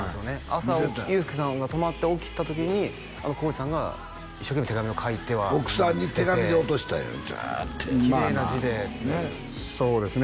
朝裕介さんが泊まって起きた時に耕史さんが一生懸命手紙を書いては捨てて手紙で落としたんよズラーッてきれいな字でってそうですね